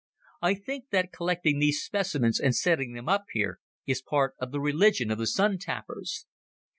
"I think that collecting these specimens and setting them up here is part of the religion of the Sun tappers."